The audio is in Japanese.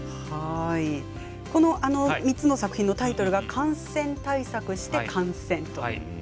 ３つの作品のタイトルが「感染対策して観戦」。